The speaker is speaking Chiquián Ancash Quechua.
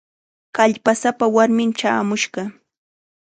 Kallpasapa warmim chaamushqa.